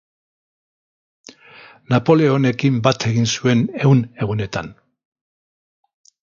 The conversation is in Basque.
Napoleonekin bat egin zuen Ehun Egunetan.